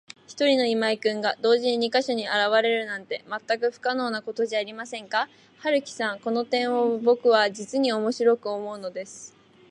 ひとりの今井君が、同時に二ヵ所にあらわれるなんて、まったく不可能なことじゃありませんか。春木さん、この点をぼくは、じつにおもしろく思うのです。